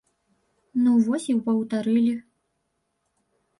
Ну вось і паўтарылі.